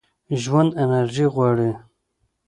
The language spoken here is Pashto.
ژوند انرژي غواړي.